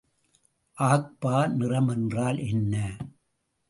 ஆக்பா நிறம் என்றால் என்ன?